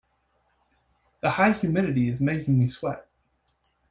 The high humidity is making me sweat.